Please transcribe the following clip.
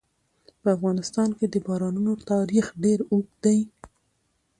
په افغانستان کې د بارانونو تاریخ ډېر اوږد دی.